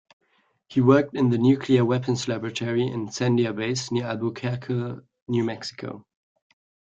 He worked in the Nuclear Weapons Laboratory in Sandia Base, near Albuquerque, New Mexico.